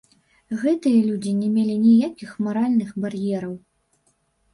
Гэтыя людзі не мелі ніякіх маральных бар'ераў.